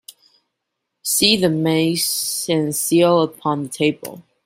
See the mace and seal upon the table.